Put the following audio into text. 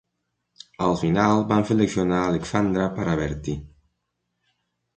Al final, van seleccionar Alexandra per a Bertie.